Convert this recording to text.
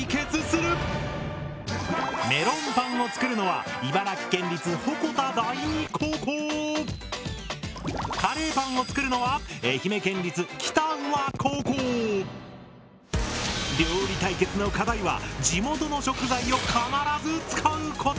メロンパンを作るのはカレーパンを作るのは料理対決の課題は地元の食材を必ず使うこと！